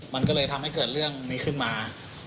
มันก็เลยทำให้เกิดเรื่องนี้ขึ้นมา